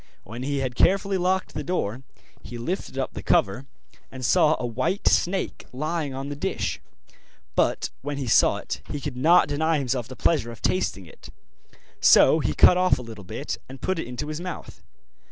When he had carefully locked the door, he lifted up the cover, and saw a white snake lying on the dish. But when he saw it he could not deny himself the pleasure of tasting it, so he cut of a little bit and put it into his mouth.